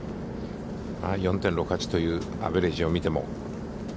４．６８というアベレージを見ても。